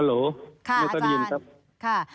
ฮัลโหลคุณตะวันหน้ากริยินครับ